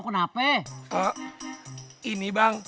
kenapa ini bang